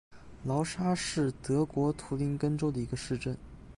劳沙是德国图林根州的一个市镇。